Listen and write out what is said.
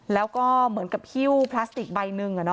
แล้วก็เหมือนกับหิ้วพลาสติกใบหนึ่ง